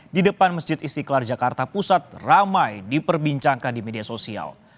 di depan masjid istiqlal jakarta pusat ramai diperbincangkan di media sosial